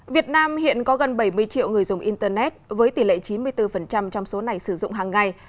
việt nam hiện có gần bảy mươi triệu người dùng internet với tỷ lệ chín mươi bốn trong số này sử dụng hàng ngày